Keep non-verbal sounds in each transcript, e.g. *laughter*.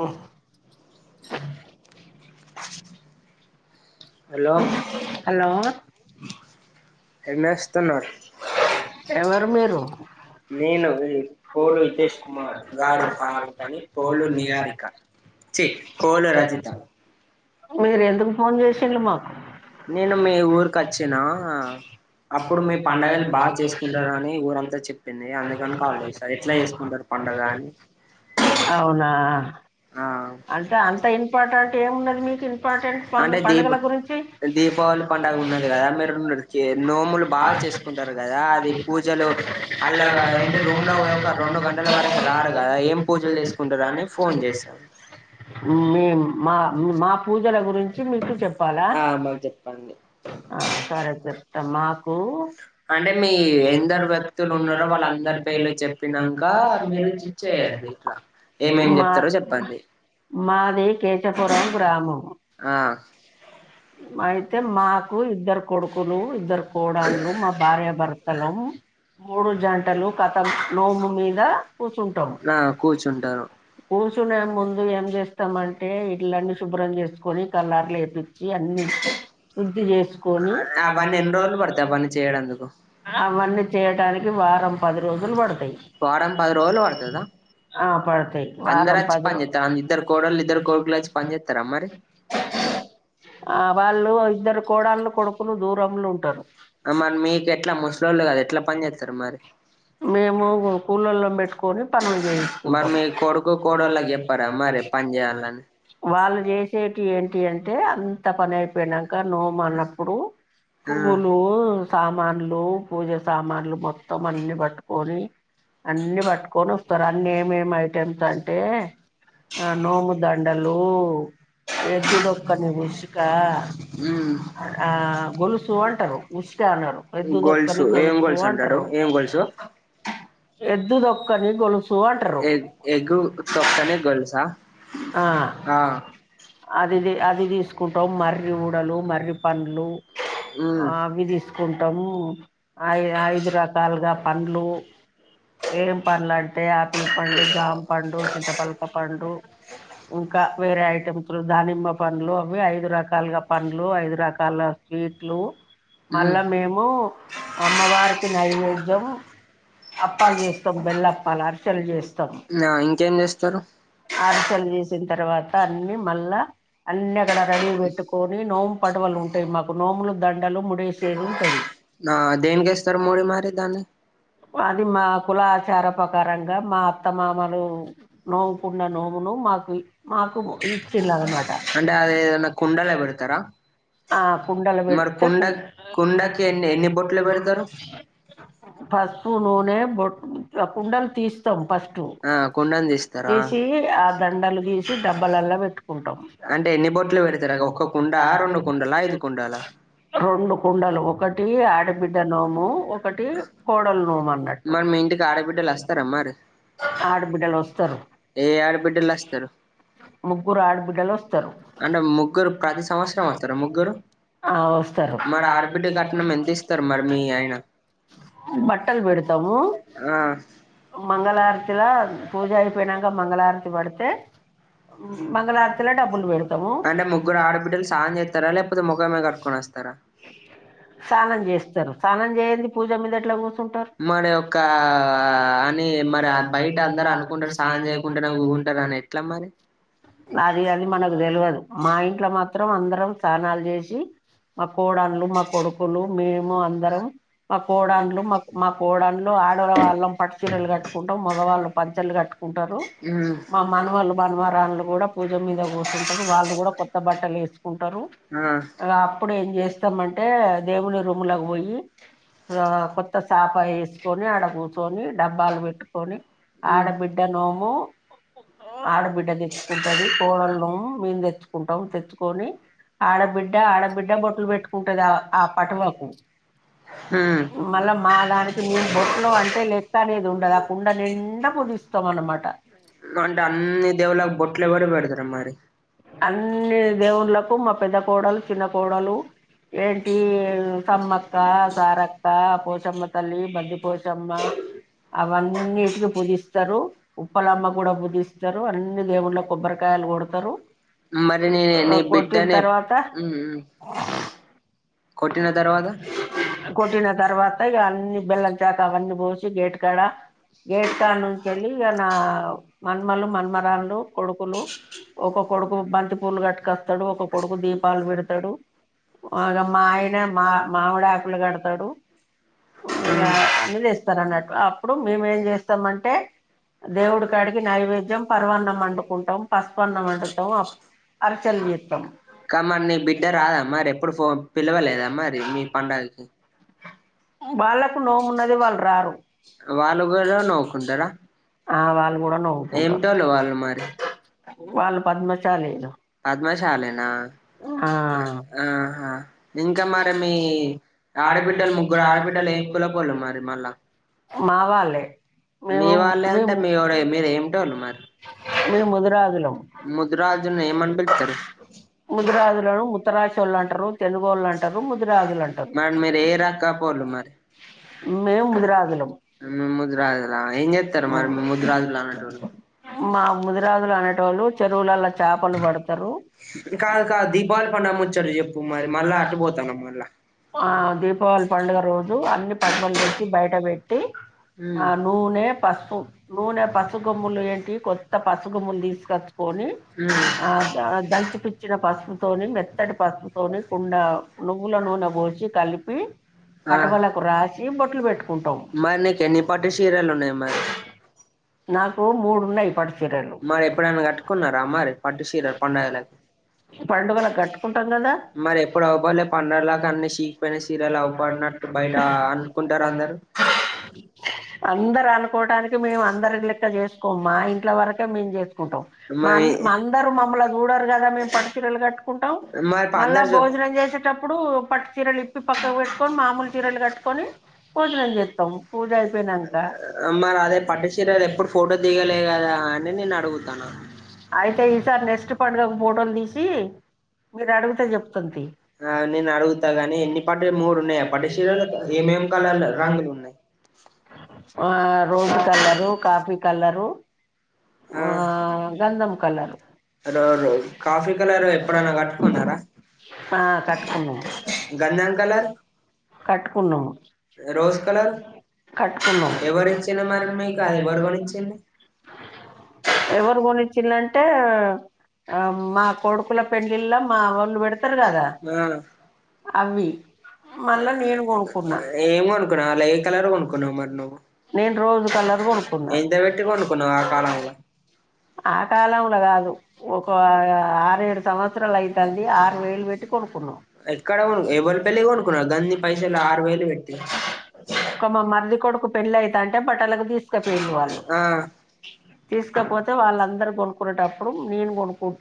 Ao hello hello ఎణ స్థన్నారు ఎవరు మీరు నేను పోలు వితేష్ కుమార్ గారు కారు కాని పోలు నియారిక చీ పోలు రజిత మీరు ఎందుకు ఫోన్ చేసిం మాకు నేను మీ ఊరికొచ్చిన అపుడు మీ పండుగని బాపు చెప్పిన కానీ మీ వెంటోచిన అయిన బాపు అవునా అంటే అంత ఇంపార్టెంట్ ఏము ఇంపార్టెంట్ పండుగల గురించి దీపావళి పండుగ ఉన్నది కదా మీరు నోములు బాగా చేసుకుంటారు కదా అది పూజలు అలా ఏంటి రూమ్ లో ఒక రెండు గంటలు వరకు రారు కదా ఏం పూజలు చేసుకుంటారు అని ఫోన్ చేసిన మీ మా ఉ మాప్ పెద్దల గురించి మీకు చెప్పాలా అ సరే చెప్తా మాకు అంటే మీ ఎందరు వ్యక్తులు ఉన్నారో వాళ్ళందరి పేర్లు చెప్పినాక మీరు చి చెయండి అంటే మాది కెచెం ప్పురం గ్రామం అ అయితే మాకు ఇద్దరు కొడుకులు ఇద్దరు కోడాళ్లు మా భార్యభర్తలం మూడు జంటలు కథ నోము మీద కూర్చుంటాం కూచునే ముందు ఏం చేస్తామంటే పళ్ళని శుభ్రం చేసుకుని అన్ని కలర్లు వపిచ్చి అన్ని శుద్ధి చేసుకొని అవన్నీ ఎన్ని రోజులు పడుతాయి చేయడానికి వారం పది రోజులు పడతాయిు వారం పది రోజులు పడతాయి అ పడుతాయి వారం పది రోజులు ఇద్దరు కొడుకులు ఇద్దరు కోడళ్ల వచ్చి పంచెతరా మరి ఆ వాళ్ళు ఇద్దరు కోడళ్ళ కొడుకులు దూరంలో ఉంటారు మరి మీకు ఎట్లా ముసలోలు కదా ఎట్ల పని చేస్తారు మరి మేము కూళ్లల్లో పెట్టుకొని పనులు చేయించుకుంటాం మరి మీ కొడుకు కోడలకు చెప్పార మరి పని చేయమని వాళ్ళు చేసే ఏంటి అంటే అంత పని అయిపోయినాక నవవు అన్నప్పుడు పువ్వులు సామాన్లు పూజ సామాన్లు మొత్తం అన్ని పట్టుకొని అన్ని పట్టుకొని వస్తారు అన్ని ఏమేమి ఐటెమ్స్ అంటే ఆ నోము దడి ఎడలు ఎద్దుదొక్కని ఉసుక ఆ గొలుసు అంటారు ఉసుక అన్నారు పెద్దుదొక్కని గొలుసు అంటారు మ్ ఎద్దుదొక్కని గొలుసు అంటారు ఎద్దుదొక్కని గొలుస అ ఆ అదిది అది తీసుకుంటాం మర్రి ఉఊడలు మర్రి పండ్లు అవి తీసుకుంటాము ఐ ఐదు రకాలుగా పండ్లు ఏం పండ్లు అంటే ఆపిల్ పండు జామ పండు చింతపల్ప పండు ఇంకా వేరే ఐటమ్స్లు దానిమ్మ పండ్లు అవి ఐదు రకాలుగా పండ్లు ఐదు రకాల స్వీట్లు మళ్ళా మేము అమ్మవారికి నైవేద్యం అ చేపల్సినది చెపినం మల్ల ఇంకేం చేస్తారు ఆ ఇంకేం చేస్తారు అరిసెలు చేసిన తర్వాత అన్ని మళ్ళా అన్ని అక్కడ రెడీ పెట్టుకొని నోము పడవలు ఉంటాయి మాకు నోములు దండలు ముడిసే ఉంటాయి అ దేనికి వేస్తారు ముడులు అది మా కుల ఆచార ప్రకారంగా మా అత్తమామలు నోవుకుండా నుోవు మ్ మాకు ఇచుండ్రు అన్న మాట ఇ అ కుండలు తెలుసు అన్న మాట అ కుండలు పెడితే అ కుండకు ఎనీ బోట్లు పెడతారు అ పసుపు నూనె బొట్ కుండలు తీస్తాం ఫస్ట్ అ కుండను తీసి ఆ దండలు గీసి డబ్బలల్లా పెట్టుకుంటాం అంటే ఎన్ని బొట్లు పెడతారు ఒక కుండ రెండు కుండల రెండు కుండలు ఒకటి ఆడబిడ్డ నోము ఒకటి కోడల నోము ఆడబిడ్డలు వస్తారు ఏ ఆడబిడ్డలు ముగ్గురు ఆడుబిడ్డలు వస్తారు ముగ్గురు ప్రతి సంవత్సరం వస్తారు ముగ్గురు ఆ వస్తారు మరి ఆడబిడ్డ కట్నం ఎంత ఇస్తారు మరి మీ ఆయన బట్టలు పెడు నువ్వు మంగళహారతిలా పూజా అయిపోయినాక మంగళహారతి పడితే మంగళారతిలో డబ్బులు పెడతాము స్నానం చేస్తారు స్నానం చేయంది పూజ మీద ఎట్లా కూర్తుంటారు మరి ఒకా అని మరి బయట అందరు అనుకుంటరు స అది అది మనకు తెల్వదు మా ఇంట్లో మాత్రం అందరం స్నానాలు చేసి మా కోడాళ్లు మా కొడుకులు మేము అందరం మా కోడాళ్లు మాకు మా కోడళ్ళు ఆడవాళ్ళం పట్టు చీరలు కట్టుకుంటాం మగవాళ్ళం పంచళ్లు కట్టుకు కుంటారు మా మనవాళ్ళు మనమరాళ్ళు కూడా పూజ మీద కూచుంటారు వాళ్ళు కూడా కొత్త బట్టలు వేసుకుంటారు అప్పుడు ఏం చేస్తామంటే దేవుని రూమ్లోకి పోయి ఆ కొ ఉత్త చాప ఏసుకొని ఆడ కూర్చొని డబ్బాలు పెట్టుకొని ఆడబి డ్డ నోము ఆడబిడ్డ తెచ్చుకుంటది కోడళ్ళు నోము మేము తెచ్చుకుంటాం తెచ్చుకొని ఆడబిడ్డ ఆడబిడ్డ బొట్టలు పెట్టుకుంటది ఆ పటువకు మళ్ళా మా దానికి మేము బొట్లో అంటే లెక్క అనేది ఉండదు ఆ కుండ నిండా పులిస్ అవును మాట అంటే అన్ని దేవుళ్లకు మా పెద్ద కోడలు చిన్న కోడలు ఏంటి సమ్మక్క సారక్క *inaudible* స్తారు ఉప్పలమ్మ కూడా పూజిస్తారు అన్ని దేవుళ్ళకి కొబ్బరికాయలు కొడతారు కొట్టిన తర్వాత కొట్టిన తర్వాత కొట్టిన తర్వాత ఇక అన్ని బెల్లం చాక అవన్నీ పోసి గేటుకాడ గేట్కాడ నుంచి వెళ్ళి ఇ నా మన్మలు మన్మరాళ్లు కొడుకులు ఒకొ కొడుకు బంతి పూలు కట్టుకొస్తాడు ఒక కొడుకు దీపాలు పెడతాడు బాగా మా ఆయన మా మామిడి ఆకులు కడతాడు ఇలా అన్ని చేస్తారు అన్నట్టు అప్పుడు మేమేం చేస్తామంటే దేవుడి కాడికి నైవేద్యం పర్వాన్నం వండుకుంటాం పసుపన్నం వండుతాం అరిసెలు చేస్తాం పిలువ లేదా మరి మీ పండక్కి వాళ్ళకు నోము ఉన్నది వాళ్ళు రారు వాళ్ళు కూడా నోవు తర ఆ వాళ్ళు కూడా నోవుకు వాళ్ళు పద్మ చాలేలు ఆ మా వాళ్ళే మేము మేము మేము ముదురాజులం ముదురాజులని ముత్తరాచోళ్ళు అంటారు పొల్లంటారు ముదురాజులు అంటారు మేము ముదిరాజులం మా ముదిరాజలు అనే వాళ్ళు చెరువులలో చేపలు పడతారు మళ్ళ అటుపోతున్నం మళ్ళ ఉ ఉ తుని కుండ నువ్వుల నూనె పోసి కలిపి పటమలకు రాసి బొట్లు పెట్టుకుంటాం నాకు మూడున్నాయి పట్టు చీరలు పండుగలకు కట్టుకుంటాం కదా *inaudible* అందరు అనుకోటానికి మేము అందరు లెక్క చేసుకోం మా ఇంట్ల వరకే మేము చేసుకుంటాం మా మా అందర మమ్మల్ చూడరు కదా మేము పట్టుచిరలు కట్టుకుంటాం మర్ మళ్ళా భోజనం చేసేటప్పుడు పట్టు చీరలు ఇప్పి పక్కకు పెట్టుకొని మామూలు చీరలు కట్టుకొని భోజనం చేస్తాం పూజ అయిపోయినాంక అయితే ఈసారి నెస్ట్ పండుగ ఫోటోలు తీసి ఇది అడుగు చెప్ రోజు కలరు కాఫీ కలరు ఆ గంధం కలరు క కట్టుకు కట్టుకున్నా కట్కు ఎవరు కూడానిచ్చందంటే మా కొడుకుల పెళ్ళలిలా మావోళ్ళు డతారు కదా అ మళ్ళ నేను కొనుకున్నా నేను రోు కల కొన్నా ఆ కాలదు ఒక సం అవుతది ట్ కొ కొపోపో నే కొ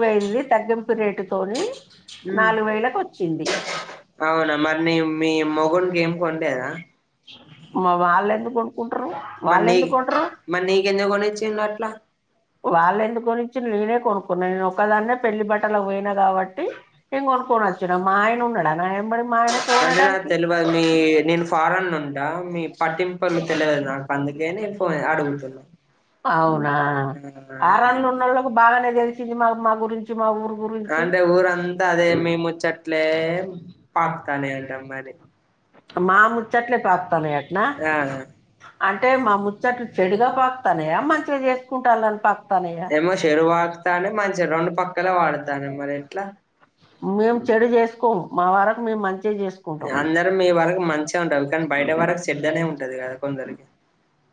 పోయింది తగ్గం రేటు త నాలుగు వేల వచ్చింది వాళ్ళ వాళ్ళకు వాళ్ళ ఎందుకుని న కొన్నా పె ట్టలో పోయిన కాబట్టి నేం కొనుక్కనిచ్చు మా ఆయన ఉన్నాడాయనబడి మా ఆయన పోనడానికి అవునా ఆరున్లు ఉన్నళ్ళకి బాగానే తెలిసి మా మా గురించి మా ఊరు మా ముచ్చట్లే పాకుతానయటనా అంటే మా ముచ్చట్లు చెడుగా పాకుతానయా మంచిగా చేసుకుంటని పాకుతానయా చె రెండు పక్కల వాడుతాను మేము చెడు చేసుకోము మా వరకు మేము మంచిగా చేసుకుంటాం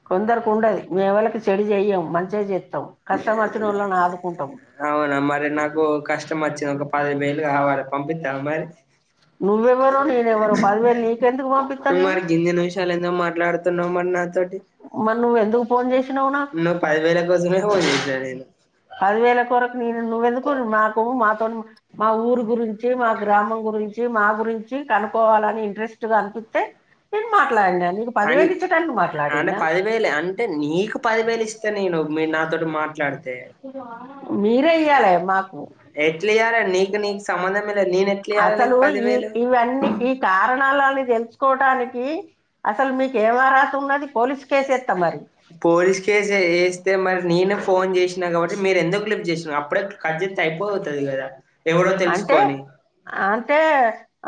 కొందరికి ఉండదు మే వాళ్ళకి చెడు చెయ్యము మంచిగా చేస్తాం కష్టం వర్చ్చిన వాళ్ళని ఆదుకుంటాం అవునా మరి నాకు కష్టం నువ్వెవ్వరో నేనెవరో పదివేలు నీకెందుకు పంపిస్తా న మరి నువ్వ ఎందుకు ఫోన్ చేసినావు నాకు పదివే మీరు నువ్వెందుకురు మా మాతో మా ఊరు గురించి మా గ్రామం గురించి మా గురించి కనుక్కోవాలని ఇంట్రెస్ట్గా అనిపిస్తే నేను మాట్లాడినా నీకు పదివేలు ఇచ్చడానికి మాట్లాడినా మీరేయ్యాలి మాకు అసలు ఈ ఇవన్నీ ఈ కారణాలని తెలుసుకోటానికి అసలు మీకు ఏమరాస ఉన్నది పోలీసు కేసు ఇస్తా మరి కే ఫో చేసాం అప్పుడే కజెత్ అయిపోంది ఎ అంటే అంటే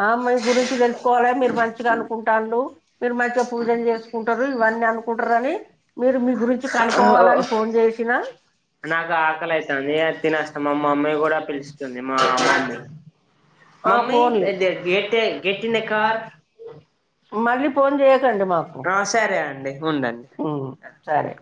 ఆ మీ గురించి తెలుసుకోవాలి మీరు మంచిగా అనుకుంటడు మీరు మంచిగా పూజలు చేసుకుంటారు ఇవన్నీ అనుకుంటార అని మీరు మీ గురించి కనుకోవాలని ఫోన్ చేసినా ఐ తినేస్తాం మా మమ్మీ ఫోన్లు మళ్ళీ ఫోన్ చేయకండి మాకు సరే